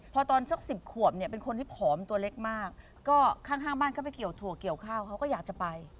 พอตอนสัก๑๐ขวบเนี่ยเป็นคนที่ผอมตัวเล็กมากก็ข้างบ้านเขาไปเกี่ยวถั่วเกี่ยวข้าวเขาก็อยากจะไป